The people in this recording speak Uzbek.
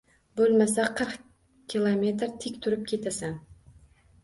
Boʻlmasa qirq kilometr tik turib ketasan.